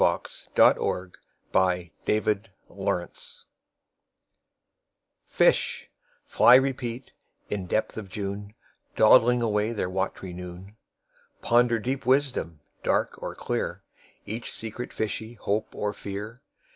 PR 6003 R4N5 Robarts Library 1Fish (fly replete, in depth of June,2Dawdling away their wat'ry noon)3Ponder deep wisdom, dark or clear,4Each secret fishy hope or fear.